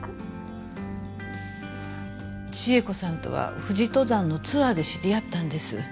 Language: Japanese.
千恵子さんとは富士登山のツアーで知り合ったんです。